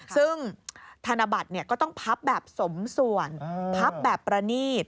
ซึ่งธนบัตรก็ต้องพับแบบสมส่วนพับแบบประนีต